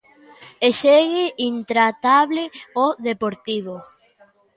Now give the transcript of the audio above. E segue intratable o Deportivo.